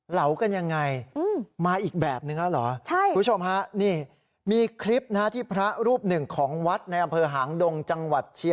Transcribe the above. เหลากันยังไงมาอีกแบบหนึ่งแล้วเหรอ